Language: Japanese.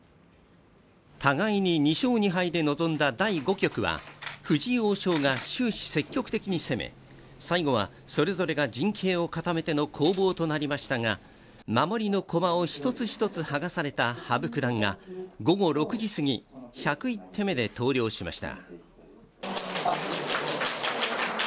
互いに２勝２敗で臨んだ第５局は藤井王将が終始積極的に攻め、最後はそれぞれが陣形を固めての攻防となりましたが、守りのコマを一つ一つ剥がされた羽生九段が午後６時すぎ、１０１手目で投了しました。